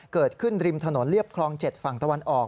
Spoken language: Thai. เกิดขึ้นริมถนนเรียบคลอง๗ฝั่งตะวันออก